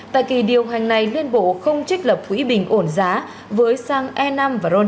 tại kỳ điều hành này liên bộ không trích lập quỹ bình ổn giá với sang e năm và ron chín mươi năm